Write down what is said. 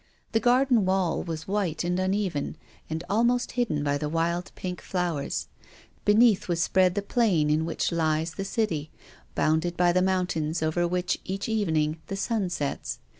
The garden wall was white and uneven, and almost hidden by wild, pink flowers. Beneath was spread the plain 122 TONGUES OF CONSCIENCE. in which lies the City, bounded by the mountains over which, each evening, the sun sets.